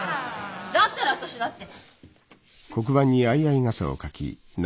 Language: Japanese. だったら私だって。